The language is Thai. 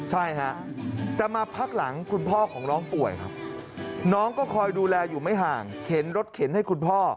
ใช่ฮะแต่มาพักหลังคุณพ่อของน้องป่วยครับน้องก็คอยดูแลอยู่ไม่ห่างเข็นรถเข็นให้คุณพ่อ